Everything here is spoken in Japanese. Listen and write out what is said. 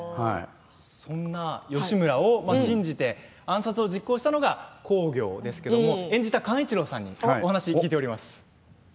そんな義村を信じて暗殺を実行したのが、公暁ですけれども演じた寛一郎さんにお話、聞いています。